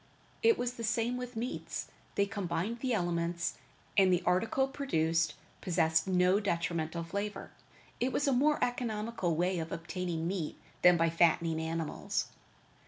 It was the same with meats; they combined the elements, and the article produced possessed no detrimental flavor. It was a more economical way of obtaining meat than by fattening animals.